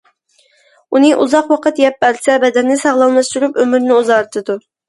ئۇنى ئۇزاق ۋاقىت يەپ بەرسە بەدەننى ساغلاملاشتۇرۇپ، ئۆمۈرنى ئۇزارتىدۇ.